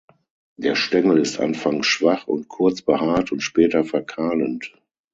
Der Stängel ist anfangs schwach und kurz behaart und später verkahlend.